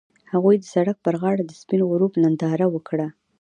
هغوی د سړک پر غاړه د سپین غروب ننداره وکړه.